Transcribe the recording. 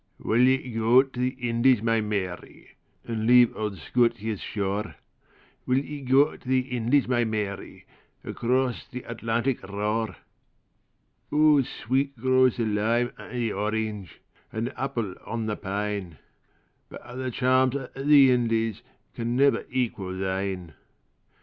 WILL ye go to the Indies, my Mary, And leave auld Scotia's shore? Will ye go to the Indies, my Mary, Across th' Atlantic roar?O sweet grows the lime and the orange, And the apple on the pine; But a' the charms o' the IndiesCan never equal thine.